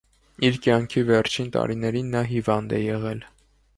Իր կյանքի վերջին տարիներին նա հիվանդ է եղել։